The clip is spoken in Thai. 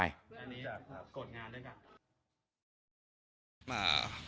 มันต้องการมาหาเรื่องมันจะมาแทงนะ